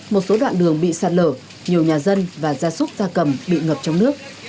một số đoạn đường bị sạt lở nhiều nhà dân và gia súc gia cầm bị ngập trong nước